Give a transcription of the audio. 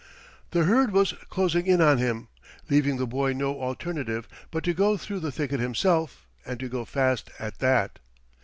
The herd was closing in on him, leaving the boy no alternative but to go through the thicket himself, and to go fast at that.